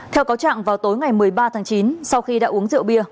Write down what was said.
theo cáo trạng vào tối ngày một mươi ba tháng chín sau khi đã uống rượu bia